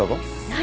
何？